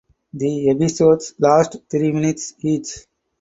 The episodes last three minutes each.